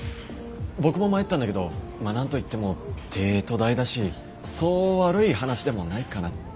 僕も迷ったんだけどまあ何と言っても帝都大だしそう悪い話でもないかなって。